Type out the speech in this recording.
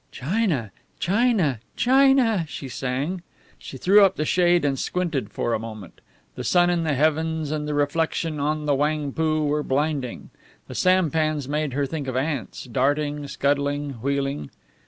"China, China, China!" she sang. She threw up the shade and squinted for a moment. The sun in the heavens and the reflection on the Whangpoo were blinding. The sampans made her think of ants, darting, scuttling, wheeling.